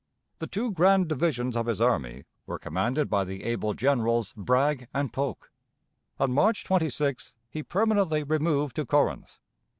The two grand divisions of his army were commanded by the able Generals Bragg and Polk. On March 26th he permanently removed to Corinth.